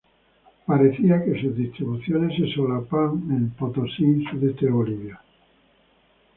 Parecía que sus distribuciones se solapan en Potosí, sudoeste de Bolivia.